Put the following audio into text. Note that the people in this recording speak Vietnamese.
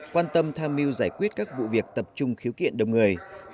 quan tâm tham mưu giải quyết các vụ việc tập trung khiếu kiện đông người